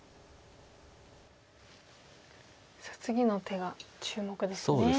さあ次の手が注目ですね。